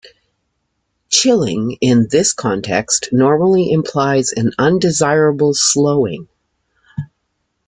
"Chilling" in this context normally implies an undesirable slowing.